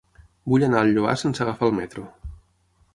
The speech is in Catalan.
Vull anar al Lloar sense agafar el metro.